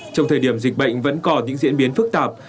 trong thời điểm dịch bệnh vẫn còn những diễn biến phức tạp